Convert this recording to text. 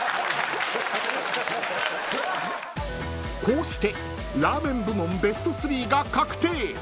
［こうしてラーメン部門ベスト３が確定］